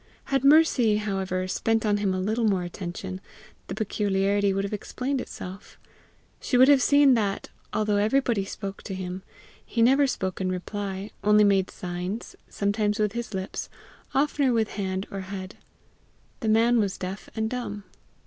Had Mercy, however, spent on him a little more attention, the peculiarity would have explained itself. She would have seen that, although everybody spoke to him, he never spoke in reply only made signs, sometimes with his lips, oftener with hand or head: the man was deaf and dumb.